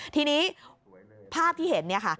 ทีนี้ภาพที่เห็นเนี่ยค่ะ